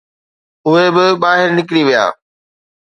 اهي به ٻاهر نڪري ويا.